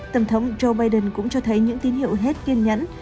tổng thống joe biden cũng cho thấy những tín hiệu hết kiên nhẫn